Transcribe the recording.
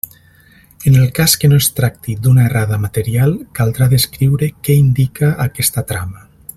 En el cas que no es tracti d'una errada material, caldrà descriure què indica aquesta trama.